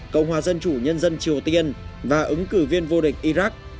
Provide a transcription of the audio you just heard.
cộng hòa dân chủ nhân dân triều tiên và ứng cử viên vô địch iraq